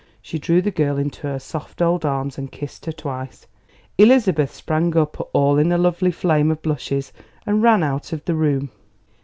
She drew the girl into her soft old arms and kissed her twice. Elizabeth sprang up all in a lovely flame of blushes and ran out of the room.